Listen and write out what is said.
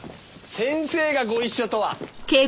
先生がご一緒とは。